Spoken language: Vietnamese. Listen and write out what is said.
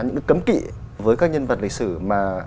những cái cấm kỵ với các nhân vật lịch sử mà